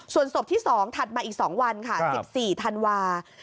ส่วนศพที่๒ถัดมาอีก๒วันค่ะ๑๔ธันวาคม